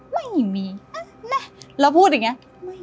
ไม่มีเออแหละเราพูดอย่างเนี้ย